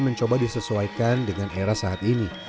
mencoba disesuaikan dengan era saat ini